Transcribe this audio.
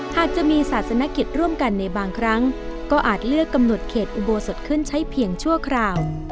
หากจะมีศาสนกิจร่วมกันในบางครั้งก็อาจเลือกกำหนดเขตอุโบสถขึ้นใช้เพียงชั่วคราว